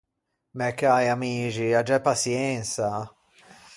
Mæ cäi amixi, aggiæ paçiensa!